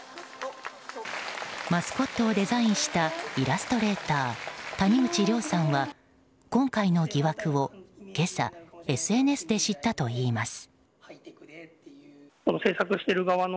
マスコットをデザインしたイラストレーター谷口亮さんは、今回の疑惑を今朝、ＳＮＳで知ったといいます。